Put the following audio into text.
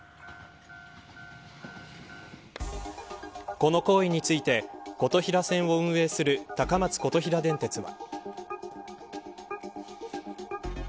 この行為について琴平線を運営する高松琴平電鉄は。